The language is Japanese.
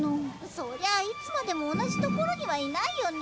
そりゃいつまでも同じ所にはいないよね。